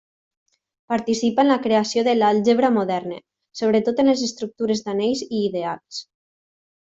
Participa en la creació de l'àlgebra moderna, sobretot en les estructures d'anells i ideals.